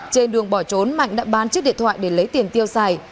trên đường bỏ trốn mạnh đã bán chiếc điện thoại để lấy tiền tiêu xài